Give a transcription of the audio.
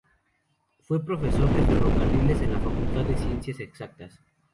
Fue profesor de Ferrocarriles en la Facultad de Ciencias Exactas.